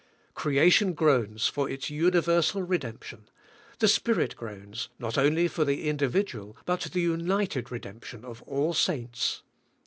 Creation groans for its universal redemption, the Spirit groans not only for the individual but the united redemption of all saints.